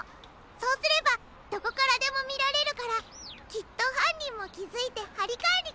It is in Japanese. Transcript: そうすればどこからでもみられるからきっとはんにんもきづいてはりかえにくるわ。